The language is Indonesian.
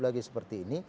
lagi seperti ini